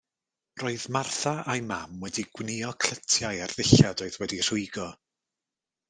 Roedd Martha a'i mam wedi gwnïo clytiau ar ddillad oedd wedi'u rhwygo.